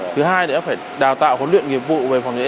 thứ hai là phải đào tạo liện nghiệp vụ về phòng chế cháy